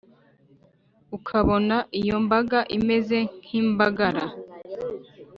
ukabona iyo mbaga imeze nk’imbagara